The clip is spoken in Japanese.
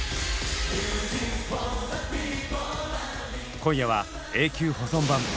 今夜は永久保存版。